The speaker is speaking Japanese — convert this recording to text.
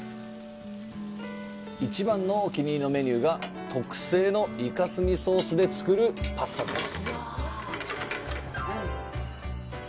一番のお気に入りメニューが特製のイカ墨ソースで作るパスタです。